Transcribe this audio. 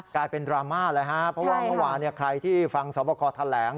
กลายเป็นดราม่าเลยครับเพราะว่าเมื่อวานใครที่ฟังสอบคอแถลง